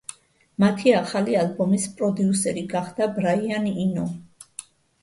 მათი ახალი ალბომის პროდიუსერი გახდა ბრაიან ინო.